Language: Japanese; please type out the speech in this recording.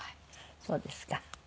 そうですか。